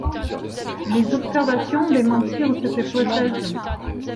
Les observations démentirent cette hypothèse.